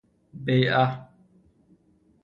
بیعة